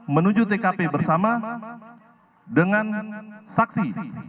menuju tkp bersama dengan saksi